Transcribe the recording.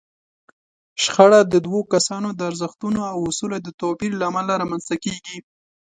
شخړه د دوو کسانو د ارزښتونو او اصولو د توپير له امله رامنځته کېږي.